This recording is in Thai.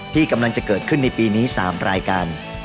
ที่กำลังจะเกิดขึ้นในปีนี้๓รายการ